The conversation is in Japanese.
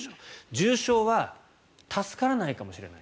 重症は助からないかもしれない。